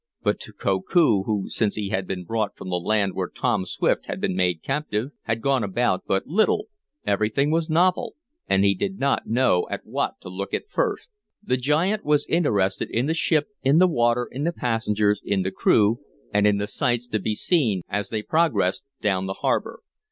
But to Koku, who, since he had been brought from the land where Tom Swift had been made captive, had gone about but little, everything was novel, and he did not know at what to look first. The giant was interested in the ship, in the water, in the passengers, in the crew and in the sights to be seen as they progressed down the harbor.